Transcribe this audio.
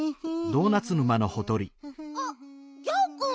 あっギャオくん。